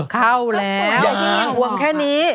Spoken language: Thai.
เข้าแล้วอย่างวงแค่นี้